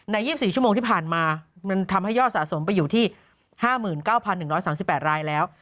๒๔ชั่วโมงที่ผ่านมามันทำให้ยอดสะสมไปอยู่ที่๕๙๑๓๘รายแล้ว